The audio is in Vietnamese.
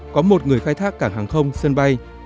có một người khai thác cảng hàng không sân bay